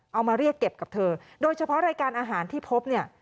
เอามาเรียกเก็บกับเธอโดยเฉพาะรายการอาหารที่พบเนี่ย